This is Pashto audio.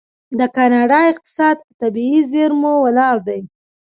د کاناډا اقتصاد په طبیعي زیرمو ولاړ دی.